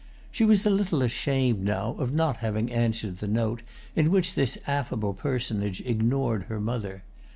She was a little ashamed now of not having answered the note in which this affable personage ignored her mother.